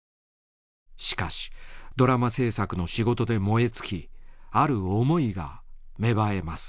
しかしドラマ制作の仕事で燃え尽きある思いが芽生えます。